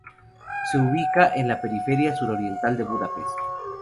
Se ubica en la periferia suroriental de Budapest.